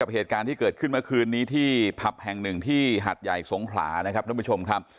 เหตุการณ์ที่เกิดขึ้นเมื่อคืนนี้ที่ผับแห่งหนึ่งที่หัดใหญ่สงขลานะครับท่านผู้ชมครับ